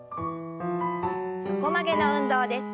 横曲げの運動です。